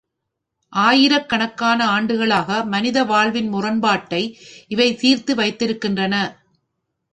ஆயிரக் கணக்கான ஆண்டுகளாக மனித வாழ்வின் முரண்பாட்டை இவை தீர்த்து வைத்திருக்கின்றன.